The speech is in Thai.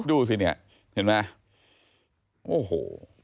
ดูสิเนี่ยเห็นไหมโอ้โห